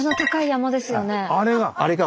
あれが！